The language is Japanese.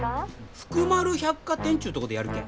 福丸百貨店ちゅうとこでやるけん。